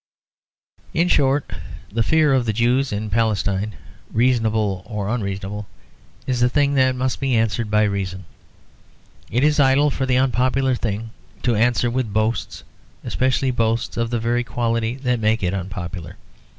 In short the fear of the Jews in Palestine, reasonable or unreasonable, is a thing that must be answered by reason. It is idle for the unpopular thing to answer with boasts, especially boasts of the very quality that makes it unpopular.